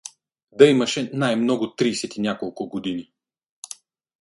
Да имаше най-много трийсет и няколко години.